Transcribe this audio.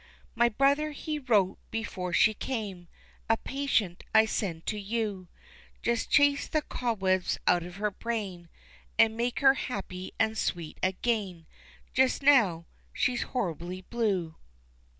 My brother, he wrote before she came, A patient I send to you, Just chase the cobwebs out of her brain, And make her happy and sweet again, Just now, she's horribly blue.